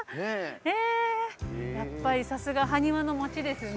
やっぱりさすがハニワの町ですね。